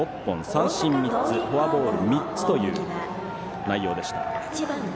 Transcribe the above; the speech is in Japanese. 三振３つ、フォアボール３つという内容でした。